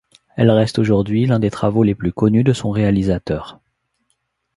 Elle reste aujourd'hui l'un des travaux les plus connus de son réalisateur.